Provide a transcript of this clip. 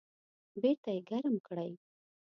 بیرته یې ګرم کړئ